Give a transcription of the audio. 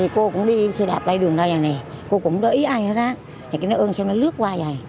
cô cũng đi xe đạp đây đường này này cô cũng đỡ ý ai hết á thì nó ương xong nó lướt qua rồi